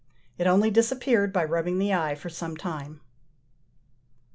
It only disappeared by rubbing the eye for some time.